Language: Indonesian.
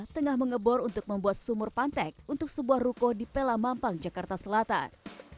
tengah mengebor untuk membuat sumur pantek untuk sebuah ruko di pelamampang jakarta selatan